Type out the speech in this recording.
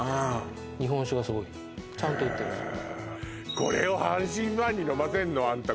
日本酒がすごい、ちゃんと売っているんですよ。